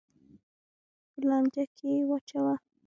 په لانجه کې یې واچوه.